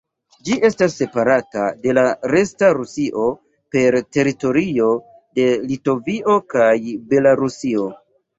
Ĝi estas separata de la "resta" Rusio per teritorio de Litovio kaj Belarusio.